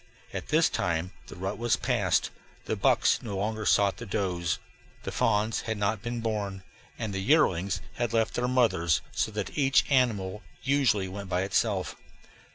At this time the rut was past, the bucks no longer sought the does, the fawns had not been born, and the yearlings had left their mothers; so that each animal usually went by itself.